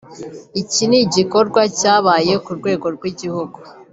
Iki ni igikorwa cyabaye ku rwego rw’igihugu